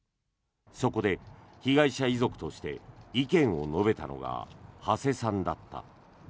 そこで被害者遺族として意見を述べたのが土師さんだった。